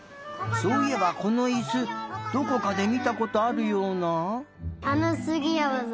そういえばこのいすどこかでみたことあるような。